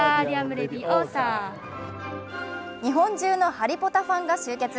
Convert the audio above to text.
日本中のハリポタファンが集結。